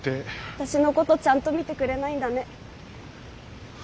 私のことちゃんと見てくれないんだね。